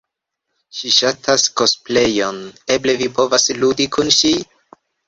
Ŝi ŝatas kosplejon, eble vi povos ludi kun ŝi?